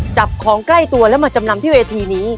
จับของใกล้ตัวแล้วมาจำนำที่เวทีนี้